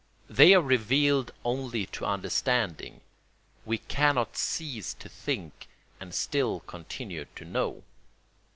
They are revealed only to understanding. We cannot cease to think and still continue to know.